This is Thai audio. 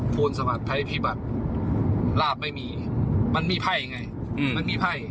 ควรสวัสดิ์ภัยพิบัตรราบไม่มีมันมีไพ่ไงอืมมันมีไพ่